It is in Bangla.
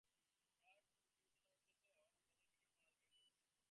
স্বভাবের বিভিন্নতাবশত ধর্মবিজ্ঞান প্রণালী বিভিন্ন হইবেই।